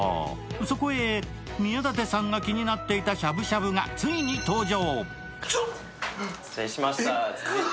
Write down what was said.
そこへ宮舘さんが気になっていたしゃぶしゃぶがついに登場。